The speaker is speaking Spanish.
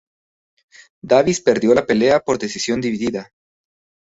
Davis perdió la pelea por decisión dividida.